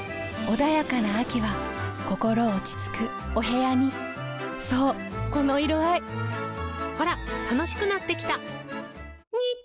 穏やかな秋は心落ち着くお部屋にそうこの色合いほら楽しくなってきた！